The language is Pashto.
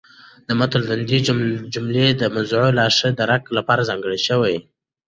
د مط الندې جملې د موضوع د لاښه درک لپاره ځانګړې شوې.